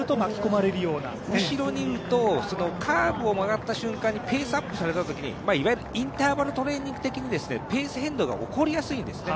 後ろにいると、カーブを曲がった瞬間にペースアップされたときに、いわゆるインターバルトレーニング的にペース変動が起こりやすいんですね